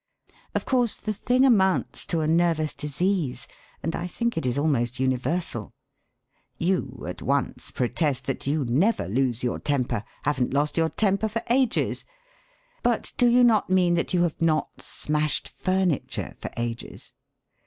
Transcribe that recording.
Of course, the thing amounts to a nervous disease, and I think it is almost universal. You at once protest that you never lose your temper haven't lost your temper for ages! But do you not mean that you have not smashed furniture for ages?